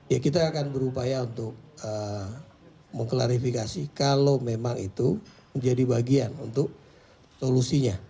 ya kita akan berupaya untuk mengklarifikasi kalau memang itu menjadi bagian untuk solusinya